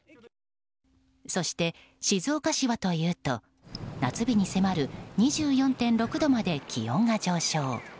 そして、静岡市はというと夏日に迫る２４．６度まで気温が上昇。